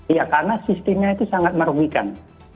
ya karena sistemnya itu sangat merugikan